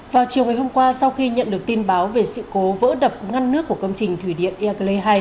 vào chiều ngày hôm qua sau khi nhận được tin báo về sự cố vỡ đập ngăn nước của công trình thủy điện iagle hai